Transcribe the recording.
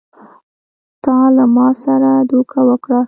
تا له ما سره دوکه وکړه!